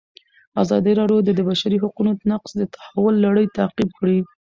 ازادي راډیو د د بشري حقونو نقض د تحول لړۍ تعقیب کړې.